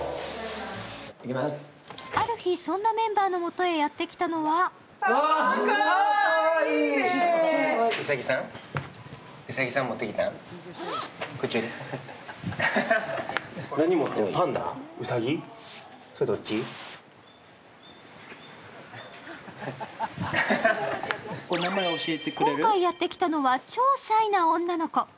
ある日、そんなメンバーのもとへやってきたのは今回やってきたのは超シャイな女の子。